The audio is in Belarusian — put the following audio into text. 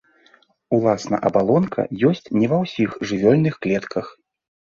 Уласна абалонка ёсць не ва ўсіх жывёльных клетках.